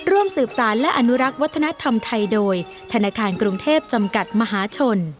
ร่วมสืบสารและอนุรักษ์วัฒนธรรมไทยโดยธนาคารกรุงเทพจำกัดมหาชน